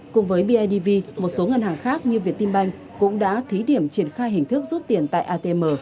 cùng với bidv một số ngân hàng khác như việt tim banh cũng đã thí điểm triển khai hình thức rút tiền tại atm